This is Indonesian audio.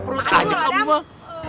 perut aja kamu mah